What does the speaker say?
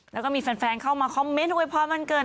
แล้วก็มีแฟนเข้ามาคอมเมนต์โวยพรวันเกิด